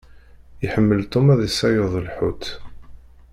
Iḥemmel Tom ad d-iṣeyyed lḥut.